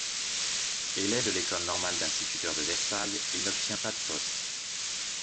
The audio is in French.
Élève de l'École normale d'instituteurs de Versailles, il n'obtient pas de poste.